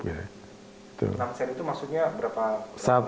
enam sen itu maksudnya berapa